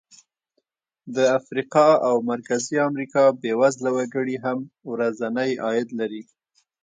د افریقا او مرکزي امریکا بېوزله وګړي هم ورځنی عاید لري.